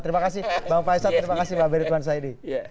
terima kasih pak faisal terima kasih pak beritwan said